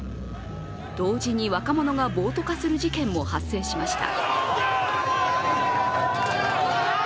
同時に若者が暴徒化する事件も発生しました。